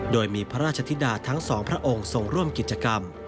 โดยมีพระราชธิดาทั้งสองพระองค์ทรงร่วมกิจกรรม